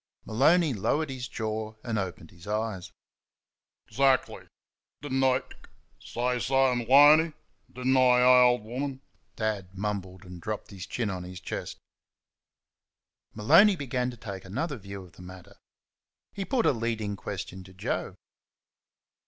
Maloney lowered his jaw and opened his eyes. "Zhackly. Did'n' I (HIC) shayzo, 'Loney? Did'n' I, eh, ol' wom'n!" Dad mumbled, and dropped his chin on his chest. Maloney began to take another view of the matter. He put a leading question to Joe.